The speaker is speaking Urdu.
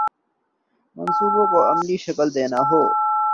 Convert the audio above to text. منصوبوں کو عملی شکل دیتا ہوں